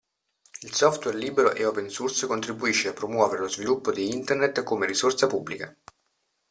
Il software libero e open source contribuisce a promuovere lo sviluppo di Internet come risorsa pubblica.